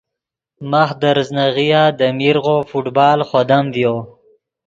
ماخ دے ریزناغیا دے میرغو فٹبال خودم ڤیو